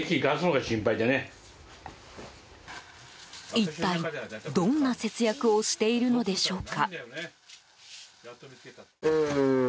一体、どんな節約をしているのでしょうか。